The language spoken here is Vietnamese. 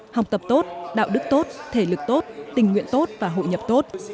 học tập tốt đạo đức tốt thể lực tốt tình nguyện tốt và hội nhập tốt